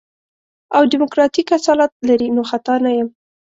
او ديموکراتيک اصالت لري نو خطا نه يم.